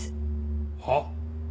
はっ？